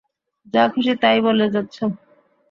যা খুশিঁ তাই বলে যাচ্ছ।